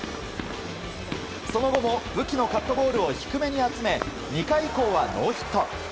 その後も武器のカットボールを低めに集め２回以降はノーヒット。